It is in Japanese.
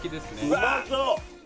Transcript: うまそう！